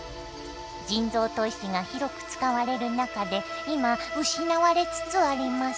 人造砥石が広く使われる中で今失われつつあります。